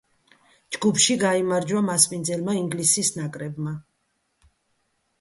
ჯგუფში გაიმარჯვა მასპინძელმა ინგლისის ნაკრებმა.